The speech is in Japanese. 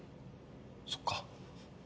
そっか。